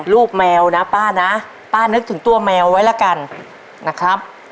แมวนะป้านะป้านึกถึงตัวแมวไว้แล้วกันนะครับ